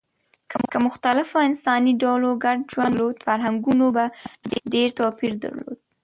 که مختلفو انساني ډلو ګډ ژوند درلود، فرهنګونو به ډېر توپیر درلود.